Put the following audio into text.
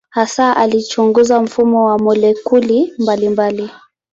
Hasa alichunguza mfumo wa molekuli mbalimbali.